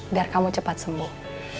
biar kamu cepat sembuh